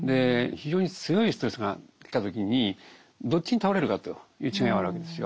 非常に強いストレスがきた時にどっちに倒れるかという違いはあるわけですよ。